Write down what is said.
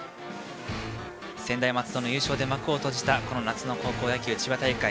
専大松戸の優勝で幕を閉じた夏の高校野球千葉大会。